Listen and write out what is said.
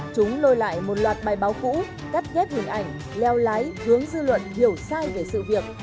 chúng lôi lại một loạt bài báo cũ cắt ghép hình ảnh leo lái hướng dư luận hiểu sai về sự việc